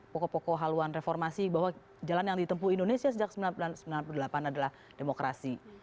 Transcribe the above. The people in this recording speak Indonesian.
pokok pokok haluan reformasi bahwa jalan yang ditempuh indonesia sejak seribu sembilan ratus sembilan puluh delapan adalah demokrasi